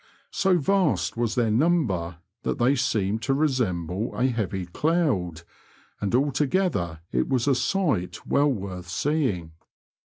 So vast was their number that they seemed to resemble a heavy cloud, and altogether it was a sight well worth seeing.